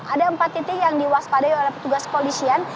ada empat titik yang diwaspadai oleh petugas polisian